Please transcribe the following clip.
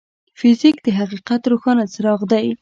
فزیک د حقیقت روښانه څراغ دی.